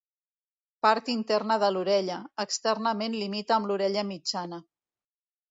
Part interna de l'orella, externament limita amb l'orella mitjana.